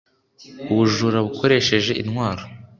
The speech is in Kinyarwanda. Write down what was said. ubujura bukoresheje intwaro